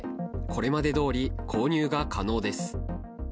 これまでどおり購入が可能です。